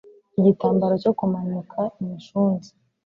igitambaro cyo kumanika, imishunzi,